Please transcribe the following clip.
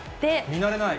見慣れない。